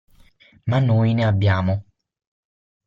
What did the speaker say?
Ma noi ne abbiamo.